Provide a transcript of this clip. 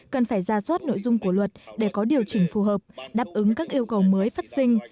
cần phải ra soát nội dung của luật để có điều chỉnh phù hợp đáp ứng các yêu cầu mới phát sinh